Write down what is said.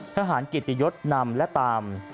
ทหารกิตยศนำและตาม